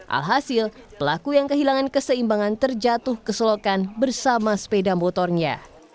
alhasil pelaku yang kehilangan keseimbangan terjatuh ke selokan bersama sepeda motornya